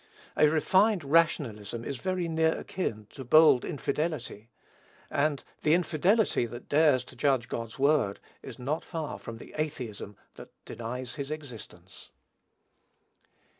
A refined rationalism is very near akin to bold infidelity; and the infidelity that dares to judge God's Word is not far from the atheism that denies his existence.